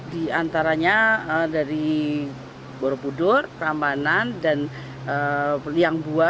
di antaranya dari borobudur rambanan dan liang dua